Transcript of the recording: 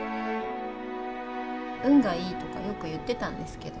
運がいいとかよく言ってたんですけど。